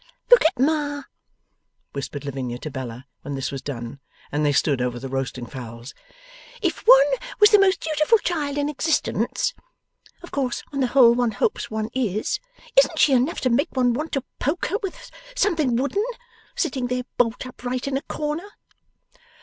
'Look at Ma,' whispered Lavinia to Bella when this was done, and they stood over the roasting fowls. 'If one was the most dutiful child in existence (of course on the whole one hopes one is), isn't she enough to make one want to poke her with something wooden, sitting there bolt upright in a corner?